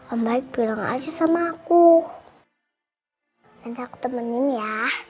om baik bilang aja sama aku hai enak temenin ya